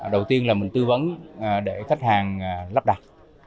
đầu tiên là mình tư vấn để khách hàng lắp đặt